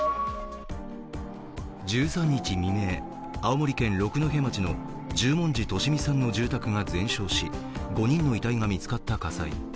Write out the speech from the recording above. １３日未明、青森県六戸町の十文字利美さんの自宅が全焼し５人の遺体が見つかった火災。